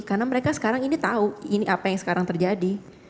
karena mereka sekarang ini tahu ini apa yang sekarang terjadi